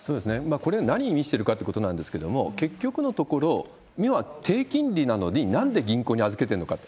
これ、何を意味してるかということなんですけれども、結局のところ、要は低金利なのに、なんで銀行に預けてるのかと。